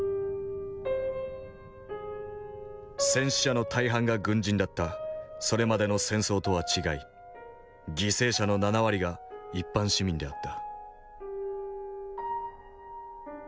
戦死者の大半が軍人だったそれまでの戦争とは違い犠牲者の７割が一般市民であった。